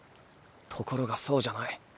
ところがそうじゃない。